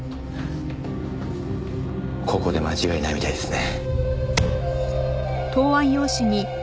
ここで間違いないみたいですね。